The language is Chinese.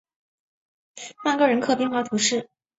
曼戈人口变化图示